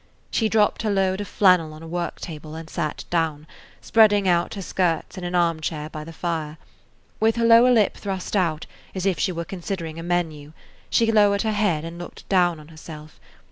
She dropped her load of flannel on a work table and sat down, spreading out her skirts, in an arm chair by the fire. With her lower lip thrust out, as if she were considering a menu, she lowered her head and looked down on herself.